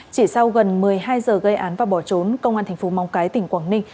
chỉ sau gần một mươi hai h gây án và bỏ trốn công an tp mong cái tỉnh quảng ninh